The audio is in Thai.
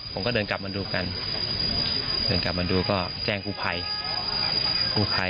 ผมก็เดินกลับมาดูกันเดินกลับมาดูก็แจ้งกู้ภัยกู้ภัย